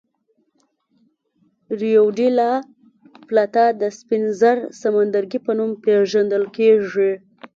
ریو ډي لا پلاتا د سپین زر سمندرګي په نوم پېژندل کېږي.